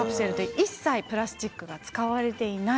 一切プラスチックを使われていません。